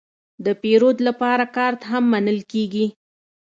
د پیرود لپاره کارت هم منل کېږي.